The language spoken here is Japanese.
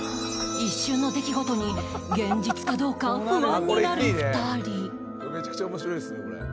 一瞬の出来事に現実かどうか不安になる２人。